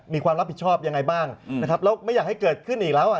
มีความรับผิดชอบยังไงบ้างนะครับแล้วไม่อยากให้เกิดขึ้นอีกแล้วอ่ะ